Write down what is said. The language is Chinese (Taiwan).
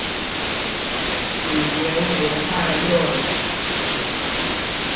語言學概論